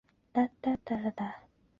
家人放在客厅